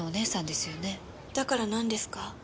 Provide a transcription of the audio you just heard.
だからなんですか？